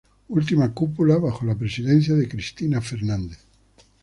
Última cúpula, bajo la presidencia de Cristina Fernández.